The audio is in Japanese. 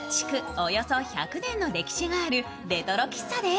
およそ１００年の歴史があるレトロ喫茶です。